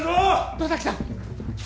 野崎さん